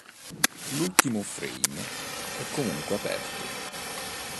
L'ultimo frame è comunque Aperto.